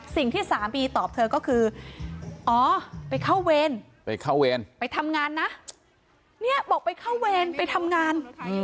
สิ่งที่สามีตอบเธอก็คืออ๋อไปเข้าเวรไปเข้าเวรไปทำงานนะเนี่ยบอกไปเข้าเวรไปทำงาน